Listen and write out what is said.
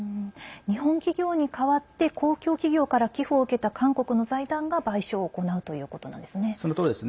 日本企業に代わって公共企業から寄付を受けた韓国の財団が賠償を行うということなんですね。